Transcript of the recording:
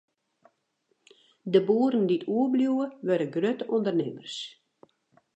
De boeren dy't oerbliuwe, wurde grutte ûndernimmers.